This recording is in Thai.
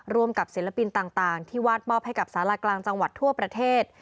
กับศิลปินต่างที่วาดมอบให้กับสารากลางจังหวัดทั่วประเทศ